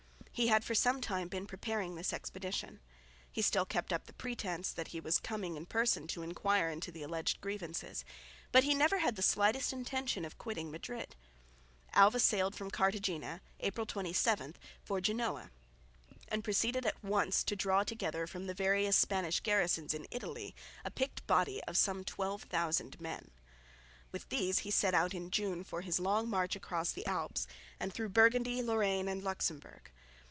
He had for some time been preparing this expedition. He still kept up the pretence that he was coming in person to enquire into the alleged grievances, but he never had the slightest intention of quitting Madrid. Alva sailed from Cartagena (April 27) for Genoa, and proceeded at once to draw together from the various Spanish garrisons in Italy a picked body of some 12,000 men. With these he set out in June for his long march across the Alps and through Burgundy, Lorraine and Luxemburg.